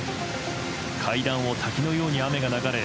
階段を滝のように雨が流れ